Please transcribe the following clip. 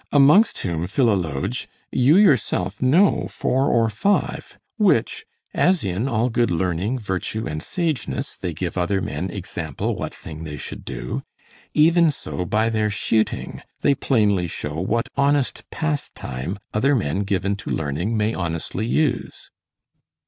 amongst whom, Philologe, you yourself know four or five, which, as in all good learning, virtue, and sageness, they give other men example what thing they should do, even so by their shooting they plainly show what honest pastime other men given to learning may honestly use.